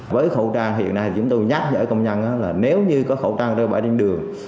với khẩu trang hiện nay chúng tôi nhắc với công nhân là nếu như có khẩu trang ra bãi đêm đường